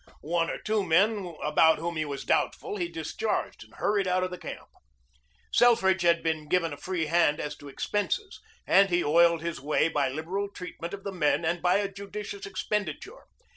One or two men about whom he was doubtful he discharged and hurried out of the camp. Selfridge had been given a free hand as to expenses and he oiled his way by liberal treatment of the men and by a judicious expenditure.